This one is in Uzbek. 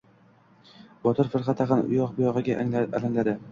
Botir firqa tag‘in uyoq-buyog‘iga alangladi.